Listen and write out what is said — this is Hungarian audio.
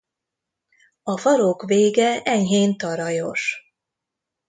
A farok vége enyhén tarajos.